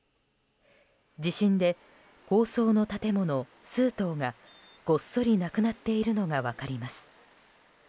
地震で高層の建物数棟がごっそりなくなっているのが分かります。